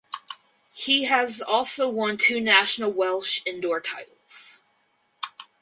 He has also won two national Welsh indoor titles.